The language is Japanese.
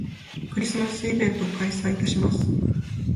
クリスマスイベントを開催いたします